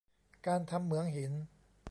การทำเหมืองหิน